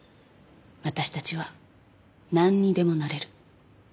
私たちは何にでもなれる。